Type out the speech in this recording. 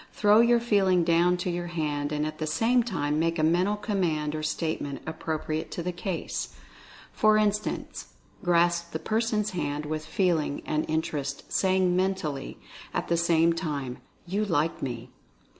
Throw your Feeling down to your hand, and at the same time make a mental command or statement appropriate to the case. For instance, grasp the person's hand with Feeling, and interest, saying, mentally, at the same time: "You Like Me."